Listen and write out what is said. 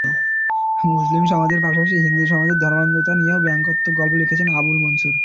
মুসলিম সমাজের পাশাপাশি হিন্দু সমাজের ধর্মান্ধতা নিয়েও ব্যঙ্গাত্মক গল্প লিখেছেন আবুল মনসুর।